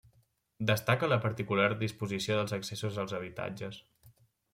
Destaca la particular disposició dels accessos als habitatges.